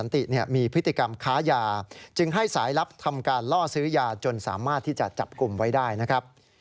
ที่จะจับกลุ่มไว้ได้นะครับ